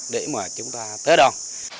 để mà chúng ta tái đòn